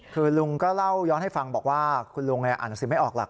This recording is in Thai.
คือลุงก็เล่าย้อนให้ฟังบอกว่าคุณลุงเนี้ยอ่านศิลป์ไม่ออกหลัก